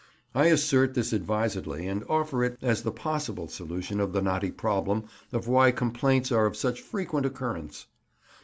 I assert this advisedly, and offer it as the possible solution of the knotty problem of why complaints are of such frequent occurrence.